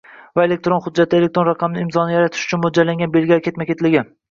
va elektron hujjatda elektron raqamli imzoni yaratish uchun mo‘ljallangan belgilar ketma-ketligi;